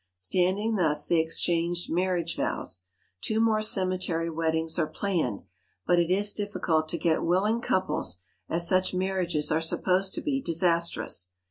Stand ing thus they exchanged marriage vows. Two more cemetery weddings are planned, but it is difficult to get willing couples, as such marriages are supposed to be disastrous.